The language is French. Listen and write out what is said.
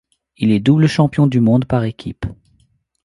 Il est double champion du monde par équipes.